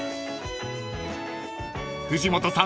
［藤本さん